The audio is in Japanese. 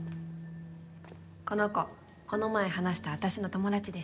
この子この前話した私の友達です。